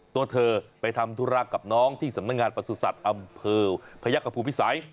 ตัวเธอไปทำธุระกับน้องที่สำนักงานประสุทธิ์อำเภอพยักษภูมิพิสัย